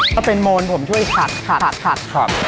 ถ้าเป็นโมงผมช่วยขัดขัดขัด